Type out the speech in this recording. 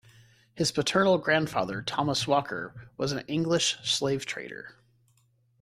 His paternal grandfather, Thomas Walker, was an English slavetrader.